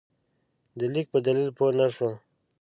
د لیک په دلیل پوه نه شو.